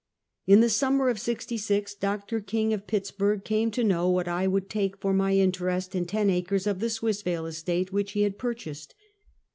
In the summer of ^66, Dr. King, of Pittsburg, came to know what I would take for my interest in ten acres of the Swissvale estate, which he had purchased.